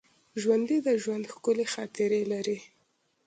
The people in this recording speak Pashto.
ژوندي د ژوند ښکلي خاطرې لري